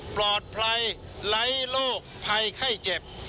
ปลอดภัยไร้โรคภัยไข้เจ็บ